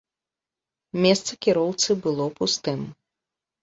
Месца кіроўцы было пустым.